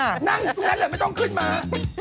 เฮือนั่งแล้วไม่ต้องขึ้นมา